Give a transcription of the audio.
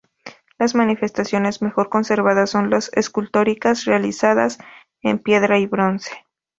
Las manifestaciones mejor conservadas son las escultóricas, realizadas en piedra y bronce.